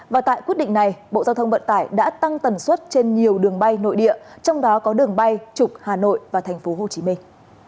và tại quyết định này bộ giao thông vận tải đã tăng tần suất trên nhiều đường bay nội địa trong đó có đường bay trục hà nội và thành phố hồ chí minh